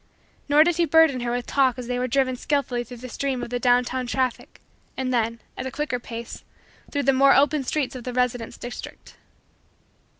Nor did he burden her with talk as they were driven skillfully through the stream of the down town traffic and then, at a quicker pace, through the more open streets of the residence district.